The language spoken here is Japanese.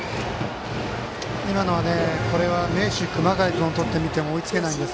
今のは名手熊谷君をとっても追いつけないんです。